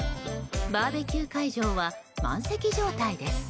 バーベキュー会場は満席状態です。